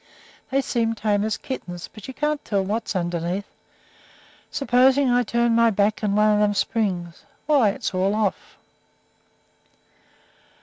They seem tame as kittens, but you can't tell what's underneath. Suppose I turn my back and one of them springs why, it's all off."